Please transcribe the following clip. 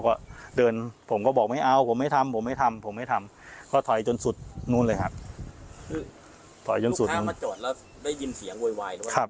คือลูกค้ามาจอดแล้วได้ยินเสียงโวยวายหรือเปล่า